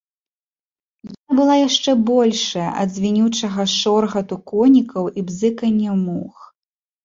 Яна была яшчэ большая ад звінючага шоргату конікаў і бзыкання мух.